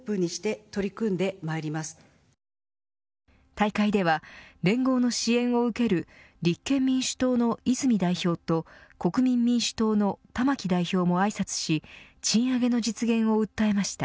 大会では連合の支援を受ける立憲民主党の泉代表と国民民主党の玉木代表もあいさつし賃上げの実現を訴えました。